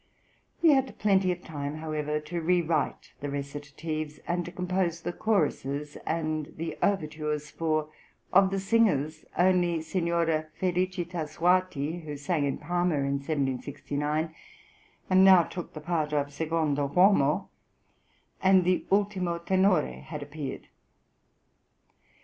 He had plenty of time, however, to rewrite the recitatives and to compose the choruses and the overtures, for of the singers only Signora Félicita Suarti (who sang in Parma in 1769, and now took the part of secondo uomo), and the ultimo tenore had appeared.